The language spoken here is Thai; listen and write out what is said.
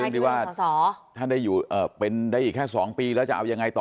เรื่องอยู่สองปีแล้วจะเอายังไงต่อ